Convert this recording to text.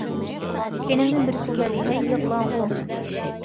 كەينىمدىن بىرسى كەلدى:- ھەي، يىغلاڭغۇ...!